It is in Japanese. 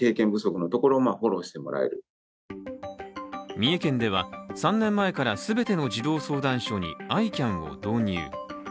三重県では、３年前から全ての児童相談所にＡｉＣＡＮを導入。